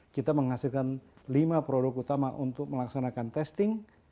kita menghasilkan lima produk utama untuk melaksanakan testing